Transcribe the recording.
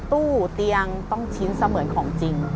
ตู้เตียงต้องชิ้นเสมือนของจริง